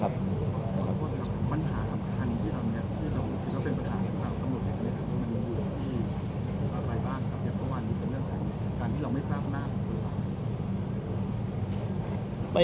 หมอบรรยาหมอบรรยา